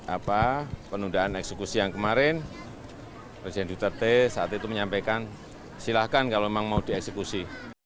apa penundaan eksekusi yang kemarin presiden duterte saat itu menyampaikan silahkan kalau memang mau dieksekusi